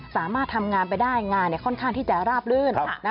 สามารถทำงานไปได้งานค่อนข้างที่จะราบลื่น